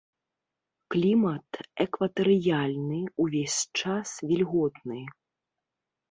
Клімат экватарыяльны, увесь час вільготны.